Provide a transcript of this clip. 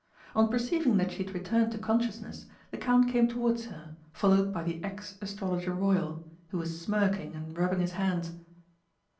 On perceiving that she had returned to consciousness the Count came towards her, followed by the ex Astrologer Royal, who was smirking and rubbing his hands.